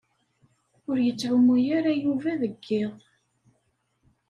Ur yettɛumu ara Yuba deg iḍ.